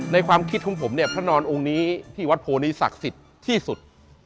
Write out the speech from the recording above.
ความคิดของผมเนี่ยพระนอนองค์นี้ที่วัดโพนี้ศักดิ์สิทธิ์ที่สุด